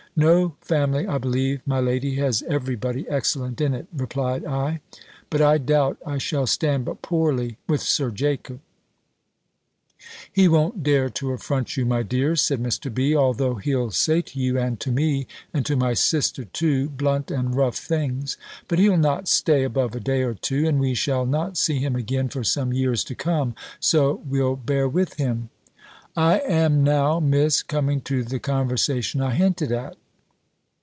"No family, I believe, my lady, has every body excellent in it," replied I: "but I doubt I shall stand but poorly with Sir Jacob." "He won't dare to affront you, my dear," said Mr. B., "although he'll say to you, and to me, and to my sister too, blunt and rough things. But he'll not stay above a day or two, and we shall not see him again for some years to come; so we'll bear with him." I am now, Miss, coming to the conversation I hinted at.